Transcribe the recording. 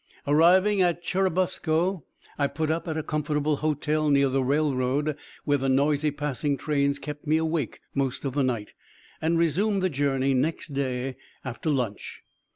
Arriving at Churubusco, I put up at a comfortable hotel near the railroad where the noisy passing trains kept me awake most of the night, and resumed the journey next day, after lunch.